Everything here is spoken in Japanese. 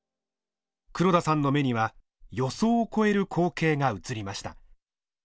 黒田さんの目には予想を超える光景が映りました。